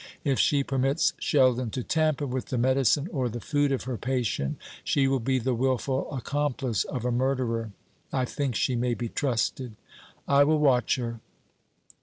If she permits Sheldon to tamper with the medicine or the food of her patient, she will be the wilful accomplice of a murderer. I think she may be trusted." "I will watch her."